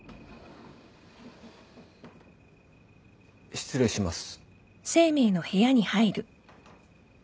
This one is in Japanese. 失礼します。